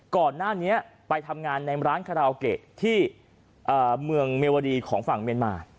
ก่อนหน้านี้ไปทำงานในร้านที่อ่าเมืองเมวดีของฝั่งเมียนมาร